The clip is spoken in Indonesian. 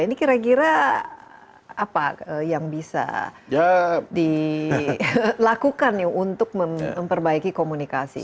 ini kira kira apa yang bisa dilakukan untuk memperbaiki komunikasi